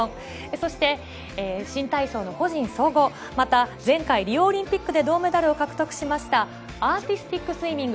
そして、新体操の個人総合また、前回リオオリンピックで銅メダルを獲得しましたアーティスティックスイミング。